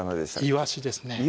イワシですね